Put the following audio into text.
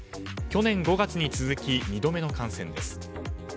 去年５月に続き２度目の感染です。